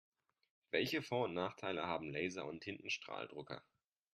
Welche Vor- und Nachteile haben Laser- und Tintenstrahldrucker?